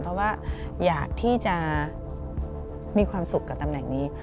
เพราะว่าอยากที่จะมีความสุขกับตำแหน่งนี้